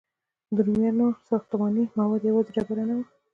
د رومیانو ساختماني مواد یوازې ډبره نه وه.